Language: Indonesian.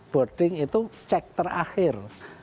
boarding itu check terakhir